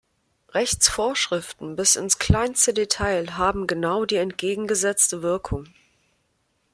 Rechtsvorschriften bis ins kleinste Detail haben genau die entgegengesetzte Wirkung.